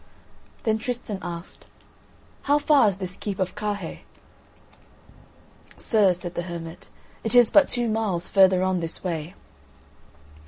Then Tristan asked: "How far is this keep of Carhaix?" "Sir," said the hermit, "it is but two miles further on this way."